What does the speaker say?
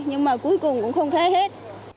nhưng mà cuối cùng cũng không thấy hết